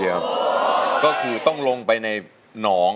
เพลงที่๑มูลค่า๑๐๐๐๐บาท